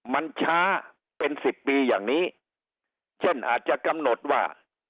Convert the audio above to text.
มันช้าเป็นสิบปีอย่างนี้เช่นอาจจะกำหนดว่า